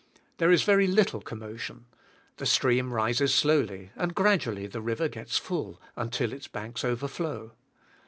There is very little commotion. The stream rises slowly, and gradt^ally the river g ets full, until its banks overflow.